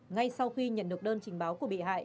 ngay sau khi nhận được đơn trình báo của bị hại